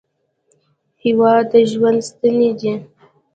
هېواد د ژوند ستنې دي.